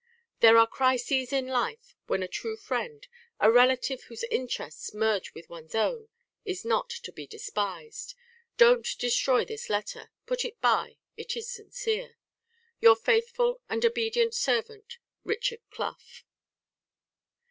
_ There are crises in life when a true friend, a relative whose interests merge with one's own, is not to be despised. Don't destroy this letter. Put it by. It is sincere. "Your faithful and obd't servant, "RICHARD CLOUGH."